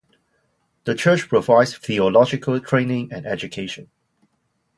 The church provides theological training and education.